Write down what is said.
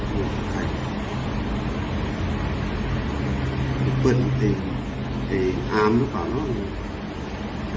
เปิดหนึ่งตรงนี้เอออาร์มดูก่อนเนอะ